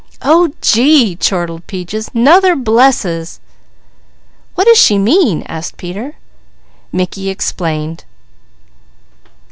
"Oh gee!" chortled Peaches. "'Nother blesses!" "What does she mean?" asked Peter. Mickey explained.